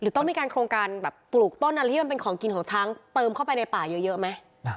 ต้องมีการโครงการแบบปลูกต้นอะไรที่มันเป็นของกินของช้างเติมเข้าไปในป่าเยอะไหม